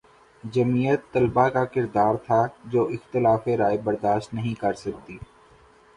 جمعیت طلبہ کا کردار تھا جو اختلاف رائے برداشت نہیں کر سکتی